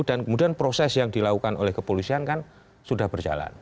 dan kemudian proses yang dilakukan oleh kepolisian kan sudah berjalan